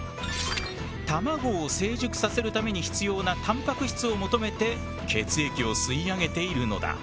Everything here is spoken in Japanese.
卵を成熟させるために必要なたんぱく質を求めて血液を吸い上げているのだ。